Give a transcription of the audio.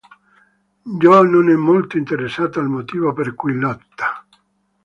Jo non è molto interessata al motivo per cui lotta.